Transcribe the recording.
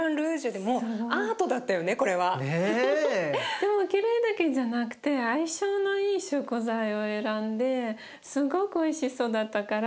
でもきれいだけじゃなくて相性のいい食材を選んですごくおいしそうだったから。